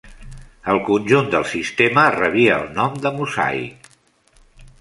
El conjunt del sistema rebia el nom de "mosaic".